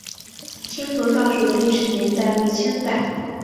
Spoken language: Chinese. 清河道署的历史年代为清代。